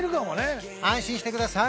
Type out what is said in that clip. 安心してください！